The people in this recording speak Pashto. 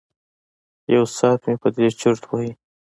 یو ساعت مې په دې چرت وهه.